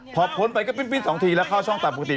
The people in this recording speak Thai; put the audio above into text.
พอพ้นไปก็ปิ้น๒ทีแล้วเข้าช่องตามปกติ